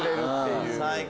最高！